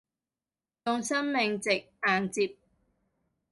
用生命值硬接